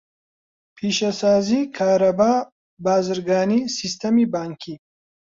پیشەسازی، کارەبا، بازرگانی، سیستەمی بانکی.